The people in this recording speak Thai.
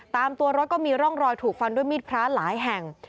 ตามตัวรถก็มีร่องรอยถูกฟันด้วยมีดพระหลายแห่ง